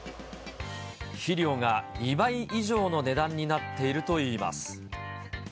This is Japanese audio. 肥料が２倍以上の値段になっているといいます。